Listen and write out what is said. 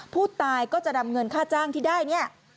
ผู้ตายก็จะนำเงินค่าจ้างที่ได้เนี่ย